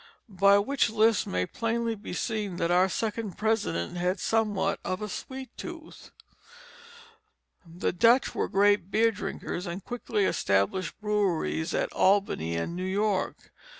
By which lists may plainly be seen that our second President had somewhat of a sweet tooth. The Dutch were great beer drinkers and quickly established breweries at Albany and New York.